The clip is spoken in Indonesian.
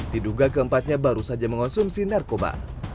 diduga keempatnya baru saja mengonsumsi narkoba